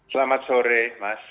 selamat sore mas